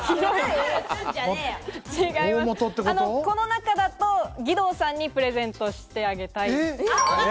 この中だと義堂さんにプレゼントしてあげたい。